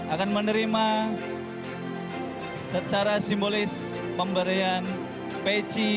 akan menerima secara simbolis pemberian peci